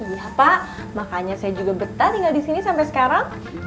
iya pak makanya saya juga betah tinggal disini sampe sekarang